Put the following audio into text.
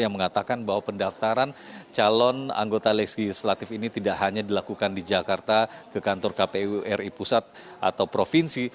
yang mengatakan bahwa pendaftaran calon anggota legislatif ini tidak hanya dilakukan di jakarta ke kantor kpu ri pusat atau provinsi